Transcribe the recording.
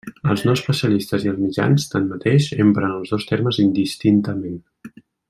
Els no especialistes i els mitjans, tanmateix, empren els dos termes indistintament.